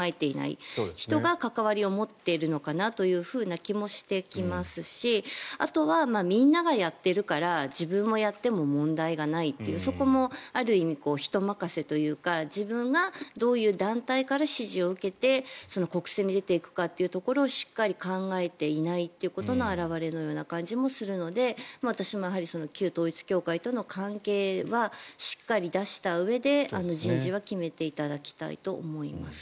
関わりを持っているのかなという気もしてきますしあとはみんながやっているから自分はやっても問題がないというそこもある意味人任せというか、自分がどういう団体から支持を受けて国政に出ていくかということをしっかり考えていないことの表れのような気もするので私もやはり旧統一教会との関係はしっかり出したうえで、人事は決めていただきたいと思います。